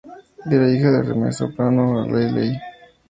Era hija de la mezzosoprano Adelaide Borghi-Mamo.